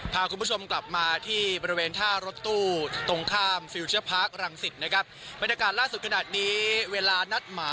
พาคุณผู้ชมกลับมาที่บริเวณท่ารถตู้ตรงข้ามฟิวเจอร์พาร์ค